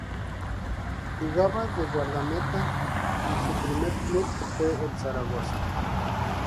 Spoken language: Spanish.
Jugaba de guardameta y su primer club fue el Zaragoza.